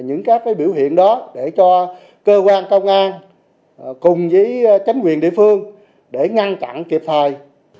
những các biểu hiện đó để cho cơ quan công an cùng với chính quyền địa phương để ngăn chặn kịp thời